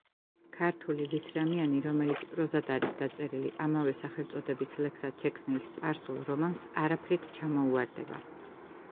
ქართული „ვისრამიანი“, რომელიც პროზად არის დაწერილი, ამავე სახელწოდების ლექსად შექმნილ სპარსულ რომანს არაფრით ჩამოუვარდება.